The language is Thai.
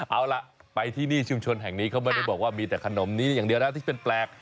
เอาล่ะไปที่นี่ชุมชนแห่งนี้เขาไม่ได้บอกว่ามีแต่ขนมนี้อย่างเดียวนะที่เป็นแปลก